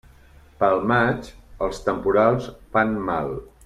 Pel maig, els temporals fan mal.